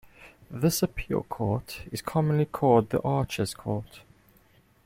This appeal court is commonly called the Arches Court.